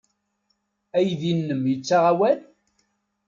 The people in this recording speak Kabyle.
Aydi-nnem yettaɣ awal?